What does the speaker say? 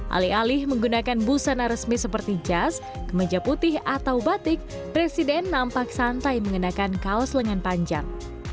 alih alih menggunakan busana resmi seperti jas kemeja putih atau batik presiden nampak santai mengenakan kaos lengan panjang